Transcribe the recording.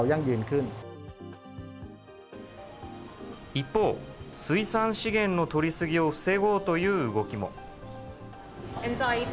一方、水産資源の取り過ぎを防ごうという動きも。